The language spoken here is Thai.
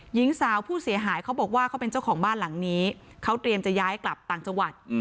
หญิงสาวผู้เสียหายเขาบอกว่าเขาเป็นเจ้าของบ้านหลังนี้เขาเตรียมจะย้ายกลับต่างจังหวัด